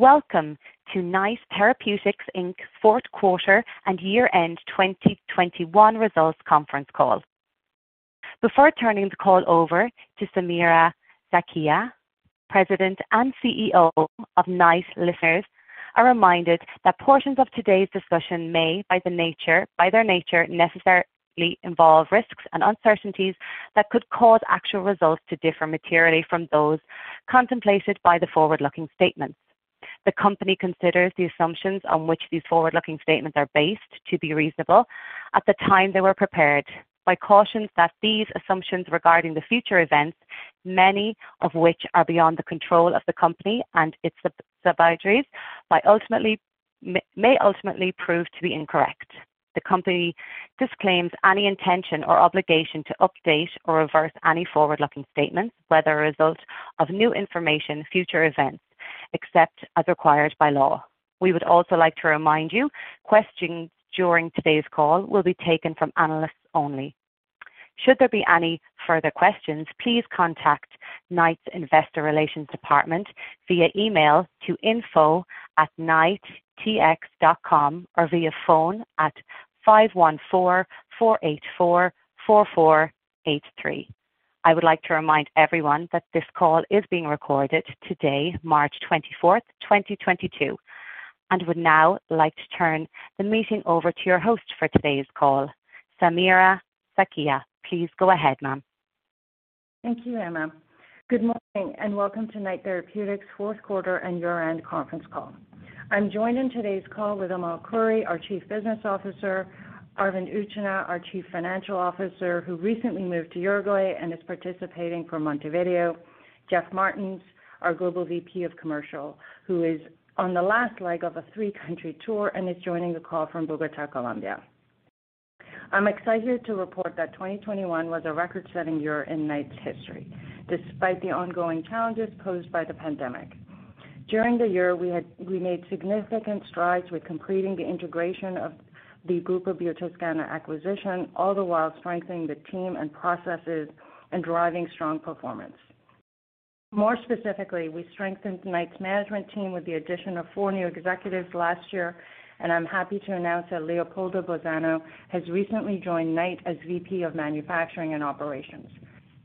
Welcome to Knight Therapeutics Inc.'s fourth quarter and year-end 2021 results conference call. Before turning the call over to Samira Sakhia, President and CEO of Knight, listeners are reminded that portions of today's discussion may, by their nature, necessarily involve risks and uncertainties that could cause actual results to differ materially from those contemplated by the forward-looking statements. The company considers the assumptions on which these forward-looking statements are based to be reasonable at the time they were prepared, but cautions that these assumptions regarding the future events, many of which are beyond the control of the company and its subsidiaries, may ultimately prove to be incorrect. The company disclaims any intention or obligation to update or revise any forward-looking statements, whether as a result of new information, future events, except as required by law. We would also like to remind you. Questions during today's call will be taken from analysts only. Should there be any further questions, please contact Knight's Investor Relations department via email to info@knighttx.com or via phone at 514-484-4483. I would like to remind everyone that this call is being recorded today, March 24, 2022, and would now like to turn the meeting over to your host for today's call, Samira Sakhia. Please go ahead, ma'am. Thank you, Emma. Good morning and welcome to Knight Therapeutics' fourth quarter and year-end conference call. I'm joined in today's call with Amal Khouri, our Chief Business Officer, Arvind Utchanah, our Chief Financial Officer, who recently moved to Uruguay and is participating from Montevideo, Jeff Martens, our Global VP of Commercial, who is on the last leg of a three-country tour and is joining the call from Bogotá, Colombia. I'm excited to report that 2021 was a record-setting year in Knight's history, despite the ongoing challenges posed by the pandemic. During the year, we made significant strides with completing the integration of the Grupo Biotoscana acquisition, all the while strengthening the team and processes and driving strong performance. More specifically, we strengthened Knight's management team with the addition of 4 new executives last year, and I'm happy to announce that Leopoldo Bozzano has recently joined Knight as VP of Manufacturing and Operations.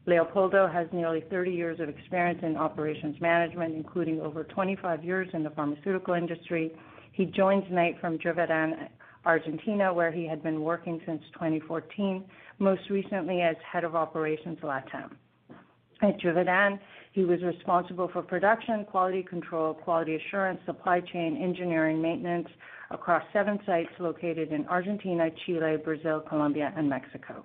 Leopoldo Bozzano has nearly 30 years of experience in operations management, including over 25 years in the pharmaceutical industry. He joins Knight from Givaudan, Argentina, where he had been working since 2014, most recently as Head of Operations LATAM. At Givaudan, he was responsible for production, quality control, quality assurance, supply chain, engineering, maintenance across seven sites located in Argentina, Chile, Brazil, Colombia, and Mexico.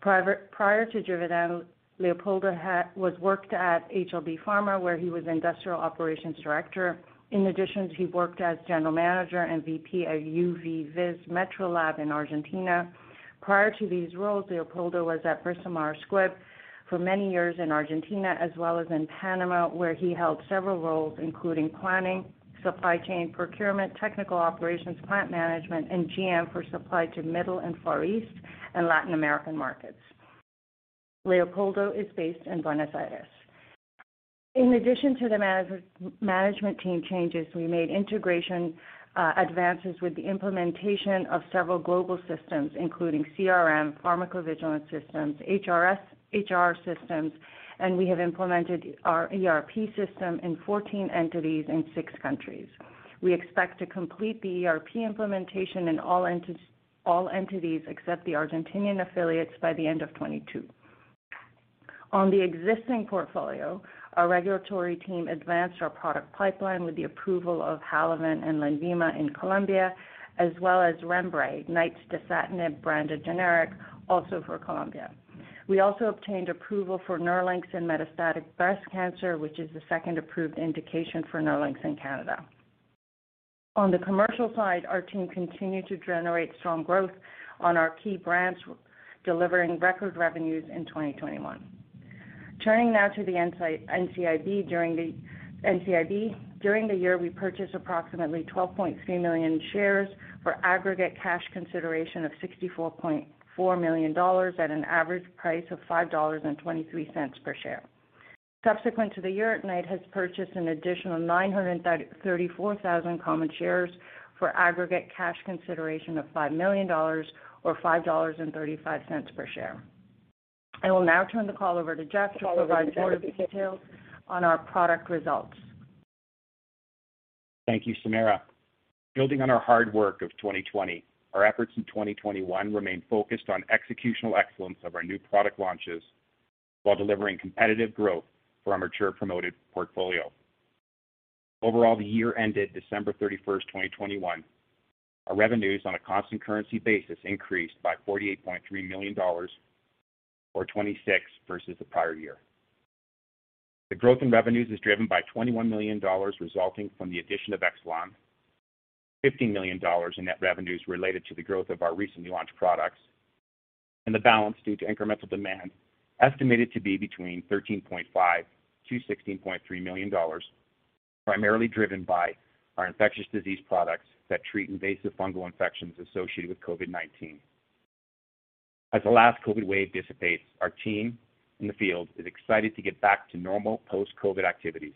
Prior to Givaudan, Leopoldo Bozzano had worked at HLB Pharma, where he was Industrial Operations Director. In addition, he worked as General Manager and VP at UV-Vis Metrolab in Argentina. Prior to these roles, Leopoldo was at Bristol-Myers Squibb for many years in Argentina as well as in Panama, where he held several roles, including planning, supply chain procurement, technical operations, plant management, and GM for supply to Middle and Far East and Latin American markets. Leopoldo is based in Buenos Aires. In addition to the management team changes, we made integration advances with the implementation of several global systems, including CRM, pharmacovigilance systems, HR systems, and we have implemented our ERP system in 14 entities in six countries. We expect to complete the ERP implementation in all entities except the Argentine affiliates by the end of 2022. On the existing portfolio, our regulatory team advanced our product pipeline with the approval of Halaven and Lenvima in Colombia, as well as Rembre, Knight's dasatinib-branded generic, also for Colombia. We also obtained approval for Nerlynx in metastatic breast cancer, which is the second approved indication for Nerlynx in Canada. On the commercial side, our team continued to generate strong growth on our key brands, delivering record revenues in 2021. Turning now to the NCIB. During the year, we purchased approximately 12.3 million shares for aggregate cash consideration of 64.4 million dollars at an average price of 5.23 dollars per share. Subsequent to the year, Knight has purchased an additional 934,000 common shares for aggregate cash consideration of 5 million dollars or 5.35 dollars per share. I will now turn the call over to Jeff to provide more details on our product results. Thank you, Samira. Building on our hard work of 2020, our efforts in 2021 remain focused on executional excellence of our new product launches while delivering competitive growth for our mature promoted portfolio. Overall, the year ended December 31, 2021. Our revenues on a constant currency basis increased by 48.3 million dollars or 26% versus the prior year. The growth in revenues is driven by 21 million dollars resulting from the addition of Exelon, 15 million dollars in net revenues related to the growth of our recent launched products, and the balance due to incremental demand estimated to be between 13.5 million-16.3 million dollars, primarily driven by our infectious disease products that treat invasive fungal infections associated with COVID-19. As the last COVID wave dissipates, our team in the field is excited to get back to normal post-COVID activities.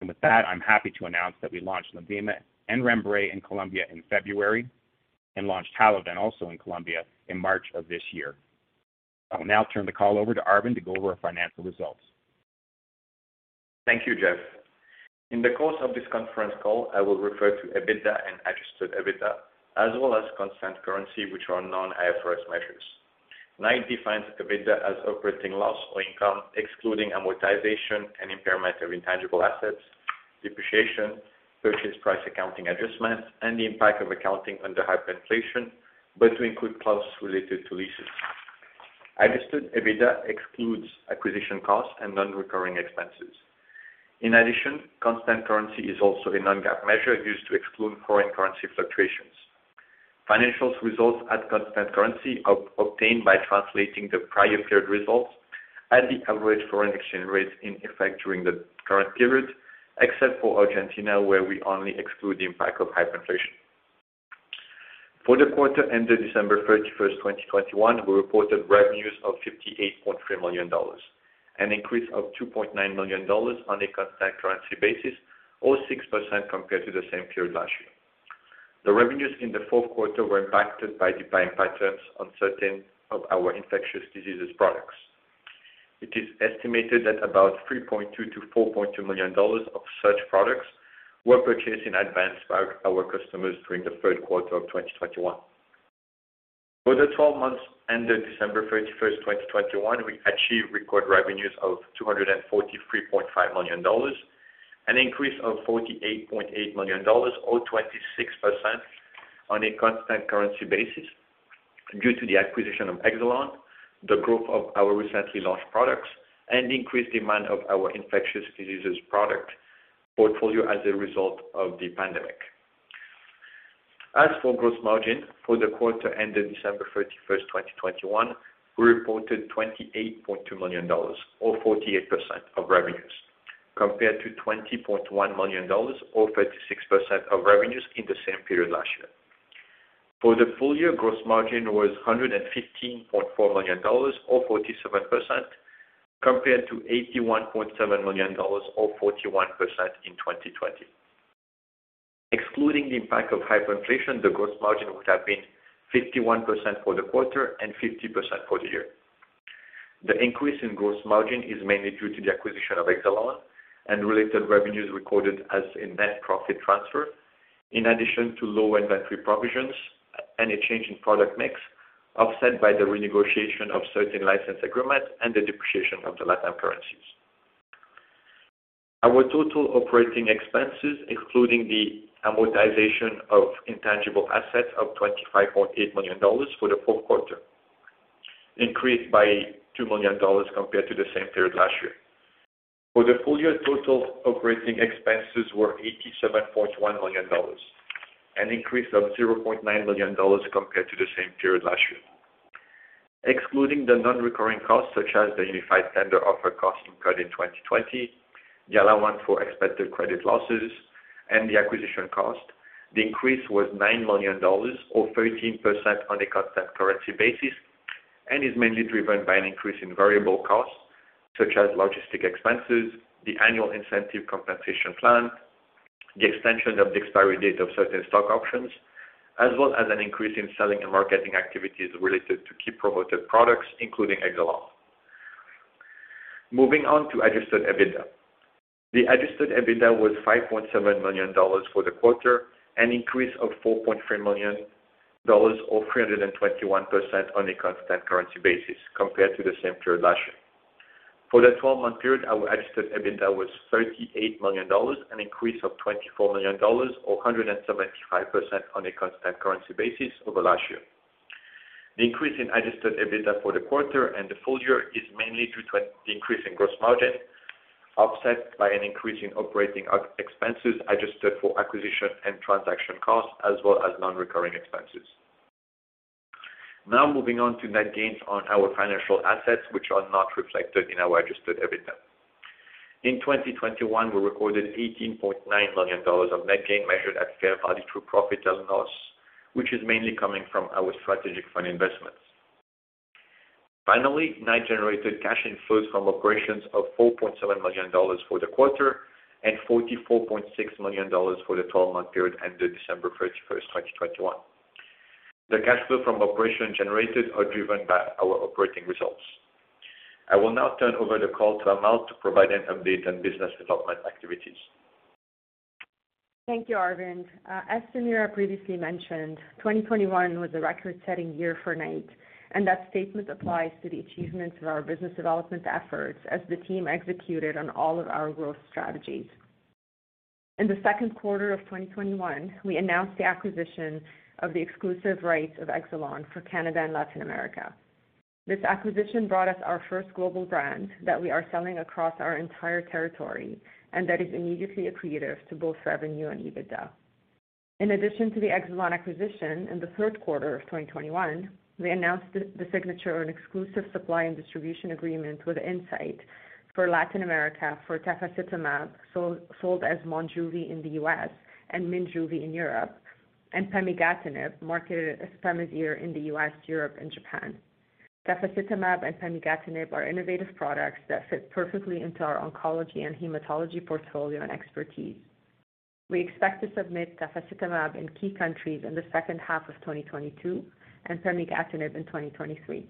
With that, I'm happy to announce that we launched Lenvima and Rembre in Colombia in February, and launched Halaven also in Colombia in March of this year. I will now turn the call over to Arvind to go over our financial results. Thank you, Jeff. In the course of this conference call, I will refer to EBITDA and adjusted EBITDA, as well as constant currency, which are non-IFRS measures. Knight defines EBITDA as operating loss or income excluding amortization and impairment of intangible assets, depreciation, purchase price, accounting adjustments, and the impact of accounting under hyperinflation, but to include costs related to leases. Adjusted EBITDA excludes acquisition costs and non-recurring expenses. In addition, constant currency is also a non-GAAP measure used to exclude foreign currency fluctuations. Financial results at constant currency are obtained by translating the prior period results at the average foreign exchange rates in effect during the current period, except for Argentina, where we only exclude the impact of hyperinflation. For the quarter ended December 31, 2021, we reported revenues of 58.3 million dollars, an increase of 2.9 million dollars on a constant currency basis, or 6% compared to the same period last year. The revenues in the fourth quarter were impacted by the buying patterns on certain of our infectious diseases products. It is estimated that about 3.2 million-4.2 million dollars of such products were purchased in advance by our customers during the third quarter of 2021. For the 12 months ended December 31, 2021, we achieved record revenues of 243.5 million dollars, an increase of 48.8 million dollars or 26% on a constant currency basis due to the acquisition of Exelon, the growth of our recently launched products, and increased demand of our infectious diseases product portfolio as a result of the pandemic. As for gross margin, for the quarter ended December 31, 2021, we reported 28.2 million dollars or 48% of revenues, compared to 20.1 million dollars or 36% of revenues in the same period last year. For the full year, gross margin was 115.4 million dollars or 47%, compared to 81.7 million dollars or 41% in 2020. Excluding the impact of hyperinflation, the gross margin would have been 51% for the quarter and 50% for the year. The increase in gross margin is mainly due to the acquisition of Exelon and related revenues recorded as a net profit transfer, in addition to low inventory provisions and a change in product mix, offset by the renegotiation of certain license agreements and the depreciation of the Latin currencies. Our total operating expenses, including the amortization of intangible assets of 25.8 million dollars for the fourth quarter, increased by 2 million dollars compared to the same period last year. For the full year, total operating expenses were 87.1 million dollars, an increase of 0.9 million dollars compared to the same period last year. Excluding the non-recurring costs, such as the unified tender offer cost incurred in 2020, the allowance for expected credit losses and the acquisition cost, the increase was 9 million dollars or 13% on a constant currency basis, and is mainly driven by an increase in variable costs such as logistic expenses, the annual incentive compensation plan, the extension of the expiry date of certain stock options, as well as an increase in selling and marketing activities related to key promoted products, including Exelon. Moving on to adjusted EBITDA. The adjusted EBITDA was 5.7 million dollars for the quarter, an increase of 4.3 million dollars or 321% on a constant currency basis compared to the same period last year. For the 12-month period, our adjusted EBITDA was CAD 38 million, an increase of CAD 24 million or 175% on a constant currency basis over last year. The increase in adjusted EBITDA for the quarter and the full year is mainly due to an increase in gross margin, offset by an increase in operating expenses, adjusted for acquisition and transaction costs as well as non-recurring expenses. Now moving on to net gains on our financial assets, which are not reflected in our adjusted EBITDA. In 2021, we recorded 18.9 million dollars of net gain measured at fair value through profit and loss, which is mainly coming from our strategic fund investments. Finally, Knight generated cash inflows from operations of 4.7 million dollars for the quarter and 44.6 million dollars for the 12-month period ended December 31, 2021. The cash flow from operations generated is driven by our operating results. I will now turn over the call to Amal to provide an update on business development activities. Thank you, Arvind. As Samira previously mentioned, 2021 was a record-setting year for Knight, and that statement applies to the achievements of our business development efforts as the team executed on all of our growth strategies. In the second quarter of 2021, we announced the acquisition of the exclusive rights of Exelon for Canada and Latin America. This acquisition brought us our first global brand that we are selling across our entire territory and that is immediately accretive to both revenue and EBITDA. In addition to the Exelon acquisition, in the third quarter of 2021, we announced the signature and exclusive supply and distribution agreement with Incyte for Latin America for tafasitamab, sold as Monjuvi in the U.S. and Minjuvi in Europe, and pemigatinib, marketed as Pemazyre in the U.S., Europe, and Japan. Tafasitamab and pemigatinib are innovative products that fit perfectly into our oncology and hematology portfolio and expertise. We expect to submit tafasitamab in key countries in the second half of 2022 and pemigatinib in 2023.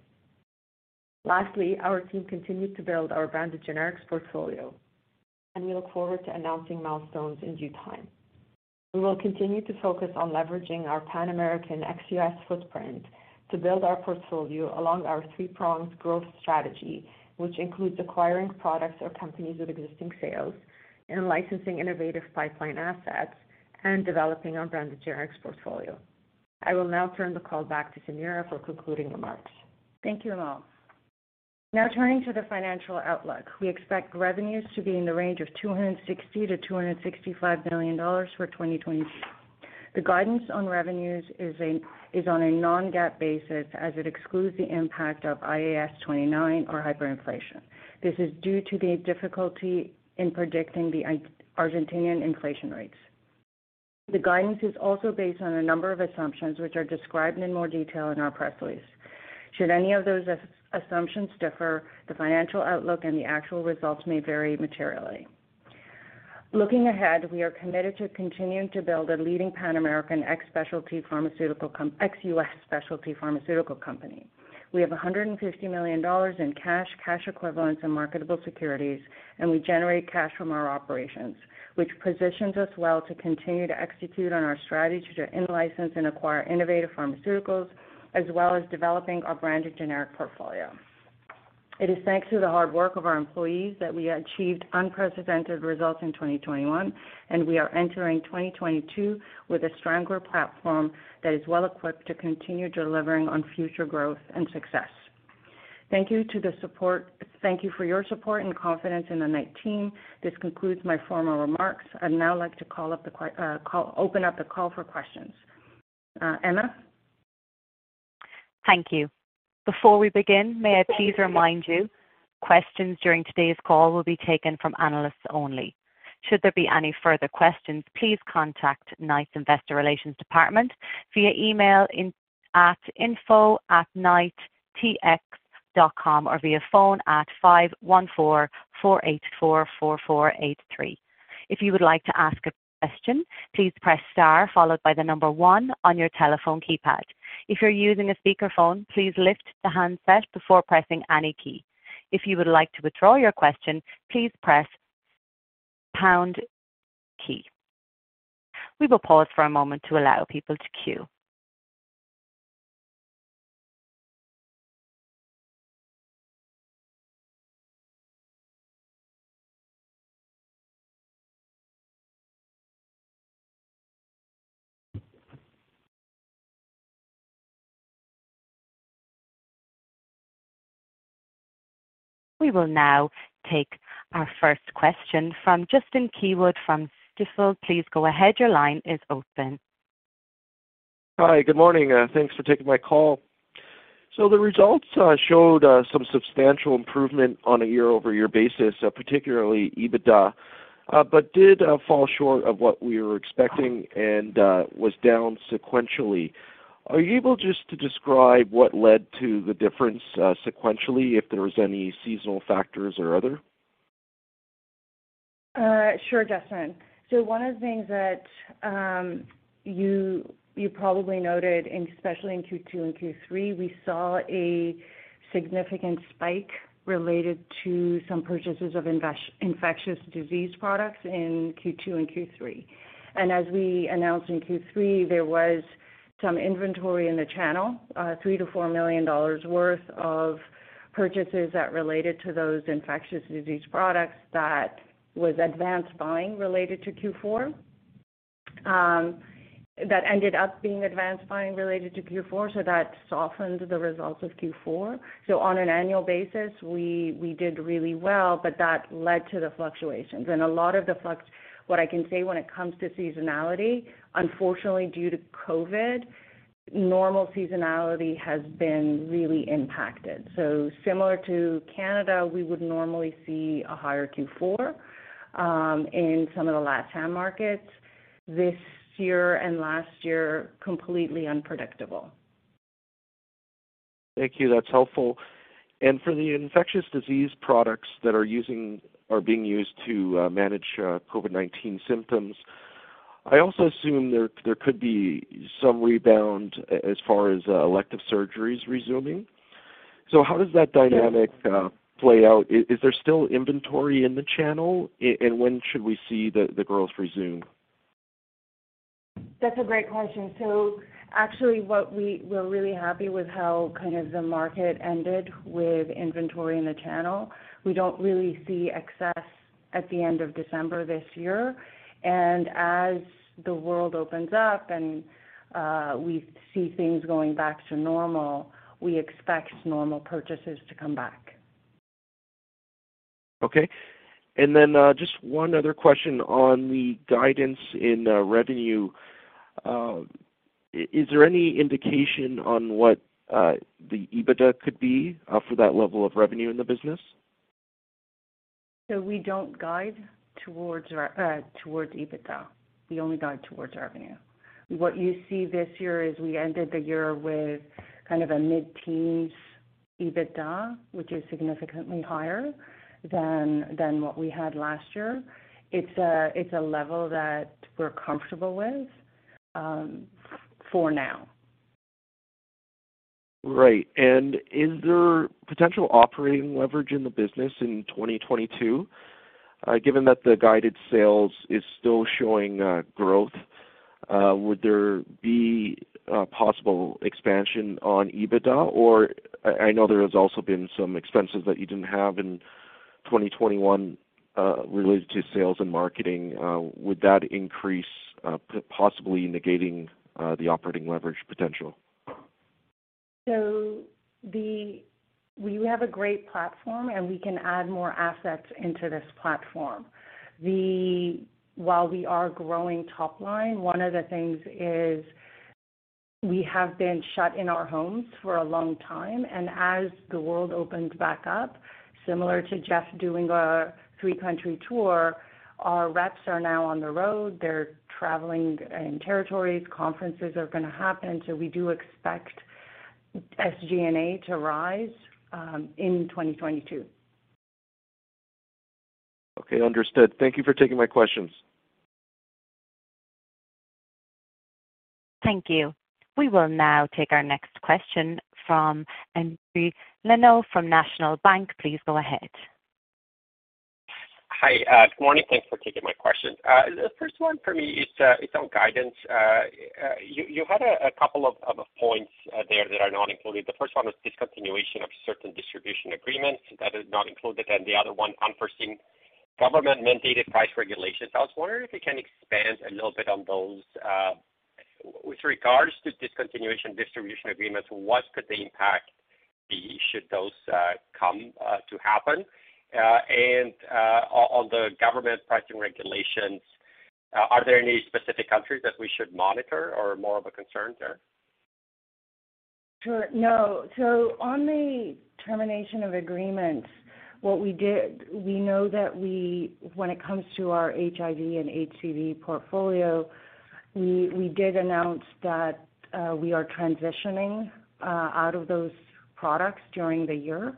Lastly, our team continued to build our branded generics portfolio, and we look forward to announcing milestones in due time. We will continue to focus on leveraging our Pan-American ex-U.S. footprint to build our portfolio along our three-pronged growth strategy, which includes acquiring products or companies with existing sales and licensing innovative pipeline assets and developing our branded generics portfolio. I will now turn the call back to Samira for concluding remarks. Thank you, Amal. Now turning to the financial outlook. We expect revenues to be in the range of 260 million-265 million dollars for 2022. The guidance on revenues is on a non-GAAP basis as it excludes the impact of IAS 29 or hyperinflation. This is due to the difficulty in predicting the Argentinian inflation rates. The guidance is also based on a number of assumptions which are described in more detail in our press release. Should any of those assumptions differ, the financial outlook and the actual results may vary materially. Looking ahead, we are committed to continuing to build a leading Pan-American ex-U.S. specialty pharmaceutical company. We have 150 million dollars in cash equivalents, and marketable securities, and we generate cash from our operations, which positions us well to continue to execute on our strategy to in-license and acquire innovative pharmaceuticals, as well as developing our branded generic portfolio. It is thanks to the hard work of our employees that we achieved unprecedented results in 2021, and we are entering 2022 with a stronger platform that is well equipped to continue delivering on future growth and success. Thank you for the support and confidence in the Knight team. This concludes my formal remarks. I'd now like to open up the call for questions. Emma? Thank you. Before we begin, may I please remind you, questions during today's call will be taken from analysts only. Should there be any further questions, please contact Knight's Investor Relations Department via email at info@knighttx.com or via phone at 514-484-4483. If you would like to ask a question, please press star followed by the number one on your telephone keypad. If you're using a speakerphone, please lift the handset before pressing any key. If you would like to withdraw your question, please press pound key. We will pause for a moment to allow people to queue. We will now take our first question from Justin Keywood from Stifel. Please go ahead. Your line is open. Hi, good morning. Thanks for taking my call. The results showed some substantial improvement on a year-over-year basis, particularly EBITDA, but did fall short of what we were expecting and was down sequentially. Are you able just to describe what led to the difference sequentially, if there was any seasonal factors or other? Sure, Justin. One of the things that you probably noted, and especially in Q2 and Q3, we saw a significant spike related to some purchases of infectious disease products in Q2 and Q3. As we announced in Q3, there was some inventory in the channel, 3 million-4 million dollars worth of purchases that related to those infectious disease products that was advanced buying related to Q4, that ended up being advanced buying related to Q4. That softened the results of Q4. On an annual basis, we did really well, but that led to the fluctuations. What I can say when it comes to seasonality, unfortunately due to COVID, normal seasonality has been really impacted. Similar to Canada, we would normally see a higher Q4 in some of the LatAm markets. This year and last year, completely unpredictable. Thank you. That's helpful. For the infectious disease products that are using or being used to manage COVID-19 symptoms, I also assume there could be some rebound as far as elective surgeries resuming. How does that dynamic play out? Is there still inventory in the channel? When should we see the growth resume? That's a great question. So actually what we were really happy with how kind of the market ended with inventory in the channel. We don't really see excess at the end of December this year. As the world opens up and we see things going back to normal, we expect normal purchases to come back. Okay. Just one other question on the guidance in revenue. Is there any indication on what the EBITDA could be for that level of revenue in the business? We don't guide towards EBITDA. We only guide towards revenue. What you see this year is we ended the year with kind of a mid-teens EBITDA, which is significantly higher than what we had last year. It's a level that we're comfortable with, for now. Right. Is there potential operating leverage in the business in 2022? Given that the guided sales is still showing growth, would there be a possible expansion on EBITDA? Or I know there has also been some expenses that you didn't have in 2021, related to sales and marketing. Would that increase possibly negating the operating leverage potential? We have a great platform, and we can add more assets into this platform. While we are growing top line, one of the things is we have been shut in our homes for a long time, and as the world opens back up, similar to Jeff doing a three-country tour, our reps are now on the road. They're traveling in territories. Conferences are gonna happen. We do expect SG&A to rise in 2022. Okay, understood. Thank you for taking my questions. Thank you. We will now take our next question from Endri Leno from National Bank. Please go ahead. Hi. Good morning. Thanks for taking my question. The first one for me is on guidance. You had a couple of points there that are not included. The first one was discontinuation of certain distribution agreements that is not included, and the other one, unforeseen government-mandated price regulations. I was wondering if you can expand a little bit on those. With regards to discontinuation of distribution agreements, what could the impact be should those come to happen? On the government pricing regulations, are there any specific countries that we should monitor or more of a concern there? Sure. No. On the termination of agreements, what we did, we know that when it comes to our HIV and HCV portfolio, we did announce that we are transitioning out of those products during the year.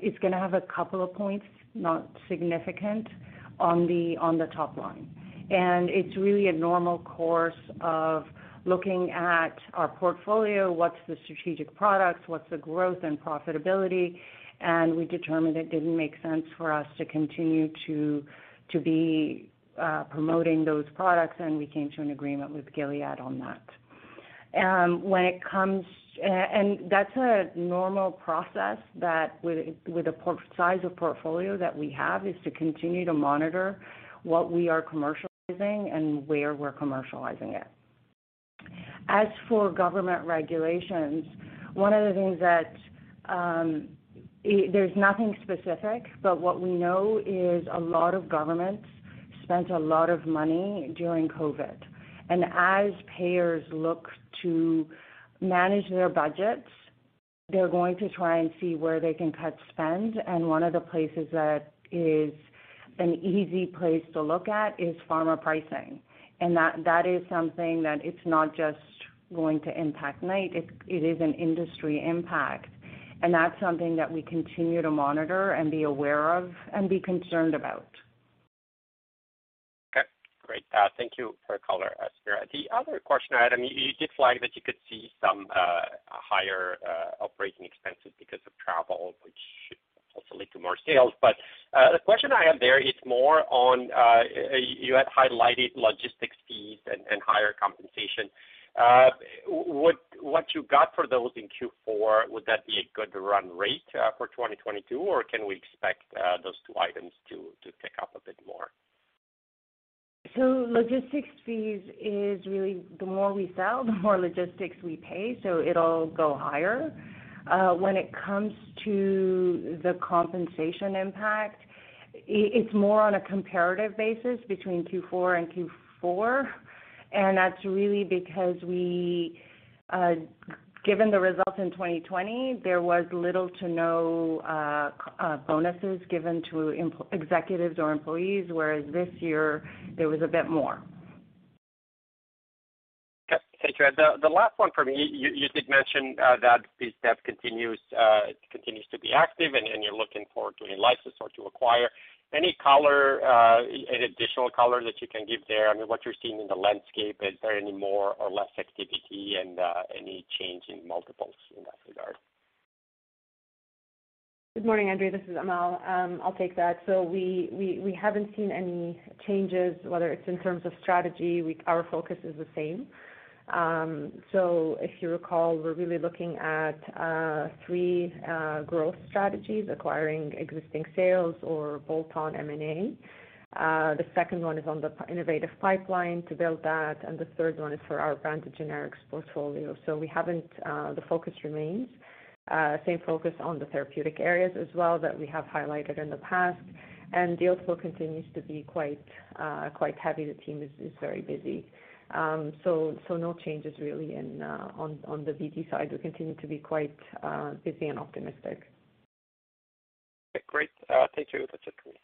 It's gonna have a couple of points, not significant, on the top line. It's really a normal course of looking at our portfolio, what's the strategic products, what's the growth and profitability, and we determined it didn't make sense for us to continue to be promoting those products, and we came to an agreement with Gilead on that. That's a normal process that, with the size of portfolio that we have, is to continue to monitor what we are commercializing and where we're commercializing it. As for government regulations, one of the things that there's nothing specific, but what we know is a lot of governments spent a lot of money during COVID. As payers look to manage their budgets, they're going to try and see where they can cut spend, and one of the places that is an easy place to look at is pharma pricing. That is something that it's not just going to impact Knight. It is an industry impact. That's something that we continue to monitor and be aware of and be concerned about. Okay. Great. Thank you for color, Samira. The other question I had, I mean, you did flag that you could see some higher operating expenses because of travel, which should also lead to more sales. The question I have there is more on you had highlighted logistics fees and higher compensation. What you got for those in Q4, would that be a good run rate for 2022, or can we expect those two items to pick up a bit more? Logistics fees is really the more we sell, the more logistics we pay, so it'll go higher. When it comes to the compensation impact, it's more on a comparative basis between Q4 and Q4, and that's really because we, given the results in 2020, there was little to no bonuses given to executives or employees, whereas this year there was a bit more. Okay. Thank you. The last one for me, you did mention that BizDev continues to be active, and you're looking forward to a license or to acquire. Any color, any additional color that you can give there? I mean, what you're seeing in the landscape, is there any more or less activity and any change in multiples in that regard? Good morning, Endri. This is Amal. I'll take that. We haven't seen any changes, whether it's in terms of strategy. Our focus is the same. If you recall, we're really looking at three growth strategies, acquiring existing sales or bolt-on M&A. The second one is on the innovative pipeline to build that, and the third one is for our branded generics portfolio. The focus remains the same on the therapeutic areas as well, that we have highlighted in the past. The inflow continues to be quite heavy. The team is very busy. No changes really on the BD side. We continue to be quite busy and optimistic. Okay, great. Thank you. That's it for me.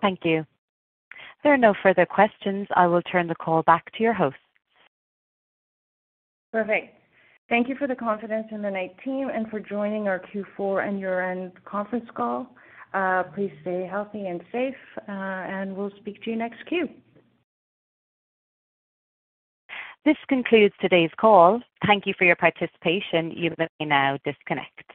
Thank you. There are no further questions. I will turn the call back to your host. Perfect. Thank you for the confidence in the Knight team and for joining our Q4 and year-end conference call. Please stay healthy and safe, and we'll speak to you next Q. This concludes today's call. Thank you for your participation. You may now disconnect.